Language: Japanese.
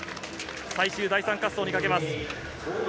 最終第３滑走にかけます。